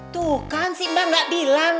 tuh kan si mbak gak bilang